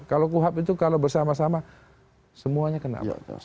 kalau kuhap itu kalau bersama sama semuanya kena